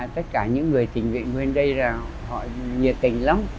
tất cả những người tình nguyện nguyên đây họ nhiệt tình lắm